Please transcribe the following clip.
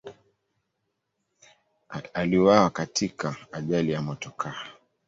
Aliuawa katika ajali ya motokaa.